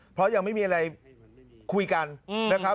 เพราะยังไม่มีอะไรคุยกันนะครับ